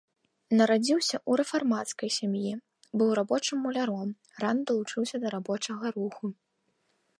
Нарадзіўся ў рэфармацкай сям'і, быў рабочым-муляром, рана далучыўся да рабочага руху.